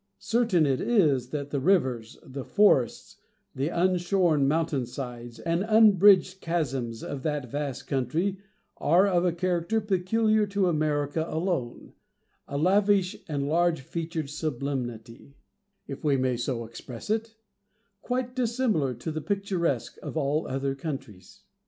Certain it is that the rivers, the forests, the unshorn mountain sides and unbridged chasms of that vast country, are of a character peculiar to America alone—a lavish and large featured sublimity, (if we may so express it,) quite dissimilar to the picturesque of all other countries.